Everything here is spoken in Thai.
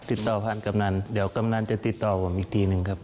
ติดต่อผ่านกำนันเดี๋ยวกำนันจะติดต่อผมอีกทีหนึ่งครับ